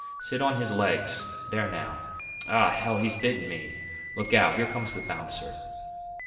Sit on his legs; there now. Ah! Hell! he's bitten me! Look out! here comes the bouncer!"